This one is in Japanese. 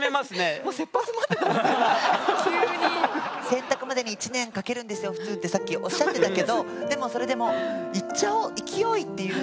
選択までに１年かけるんですよ普通ってさっきおっしゃってたけどでもそれでもいっちゃおう勢いっていう